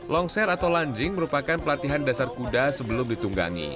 long share atau lunging merupakan pelatihan dasar kuda sebelum ditunggangi